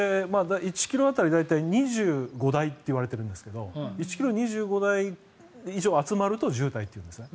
１ｋｍ当たり大体２５台といわれているんですが１ｋｍ２５台以上集まると渋滞というんですね。